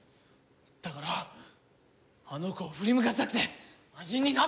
だからあの子を振り向かせたくて魔人になったんだろ！？